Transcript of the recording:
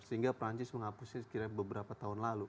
sehingga prancis menghapusnya sekitar beberapa tahun lalu